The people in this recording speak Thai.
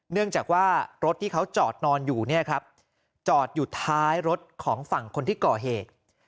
เนื่องจากว่ารถที่เขาจอดนอนอยู่เนี่ยครับจอดอยู่ท้ายรถของฝั่งคนที่ก่อเหตุ